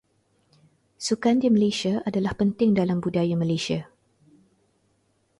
Sukan di Malaysia adalah penting dalam budaya Malaysia.